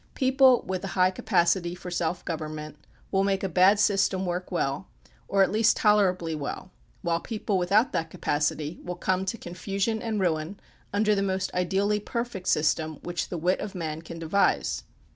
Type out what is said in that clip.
People with a high capacity for self government will make a bad system work well or at least tolerably well, while people without that capacity 24 THE PUBLIC OPINION BILL will come to confusion and ruin under the most ideally perfect system which the wit of man can devise.